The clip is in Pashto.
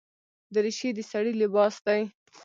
دریشي د سړي لباس دی.